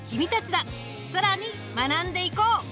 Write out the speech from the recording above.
更に学んでいこう！